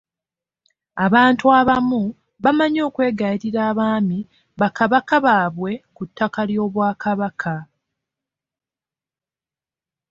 Abantu abamu bamanyi okwegayirira Abaami ba Kabaka babawe ku ttaka ly'Obwakabaka.